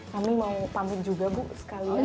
kami mau pamit juga bu sekalian